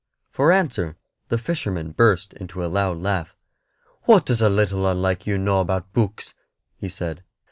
For answer the fisherman burst into a loud laugh. "What does a little 'un like you know about books?" he said.